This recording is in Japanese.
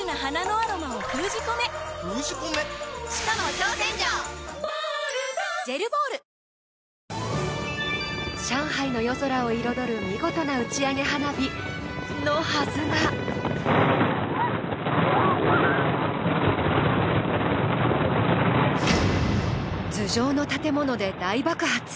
三井不動産上海の夜空を彩る見事な打ち上げ花火のはずが頭上の建物で大爆発。